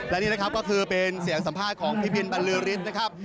และนี่นะครับก็คือเป็นเสียงสัมภาษณ์ของพี่บินบรรลือฤทธิ์นะครับ